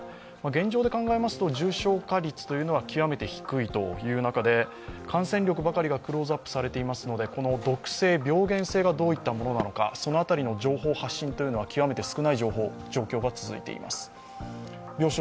現状で考えますと重症化率は極めて低いという中で感染力ばかりがクローズアップされていますので、この毒性、病原性がどういったものなのかその辺りの情報発信というのは極めて少ない状況が続いています。